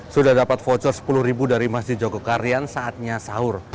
sudah dapat voucher sepuluh ribu dari masjid jogokarian saatnya sahur